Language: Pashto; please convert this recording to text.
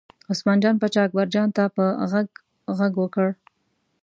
عثمان جان پاچا اکبرجان ته په غږ غږ وکړ.